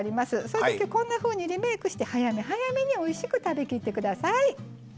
そういうときはこんなふうにリメイクして早め早めにおいしく食べきって下さい。